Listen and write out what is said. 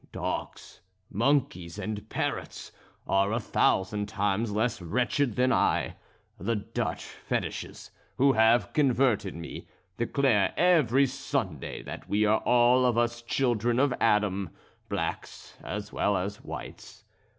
Dogs, monkeys, and parrots are a thousand times less wretched than I. The Dutch fetiches, who have converted me, declare every Sunday that we are all of us children of Adam blacks as well as whites.